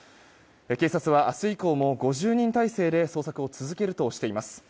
警察は明日以降も５０人態勢で捜索を続けるとしています。